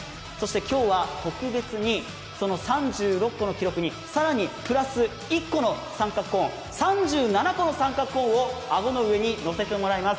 今日は特別に、その３６個の記録に更にプラス１個の三角コーン３７個の三角コーンを顎の上に乗せてもらいます。